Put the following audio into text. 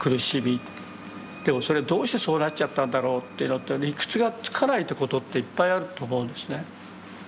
でもそれどうしてそうなっちゃったんだろうという理屈がつかないってことっていっぱいあると思うんですね。